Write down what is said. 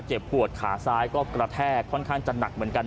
ปวดขาซ้ายก็กระแทกค่อนข้างจะหนักเหมือนกัน